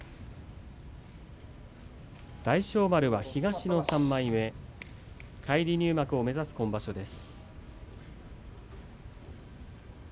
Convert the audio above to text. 大翔丸は東の３枚目返り入幕を目指す今場所です。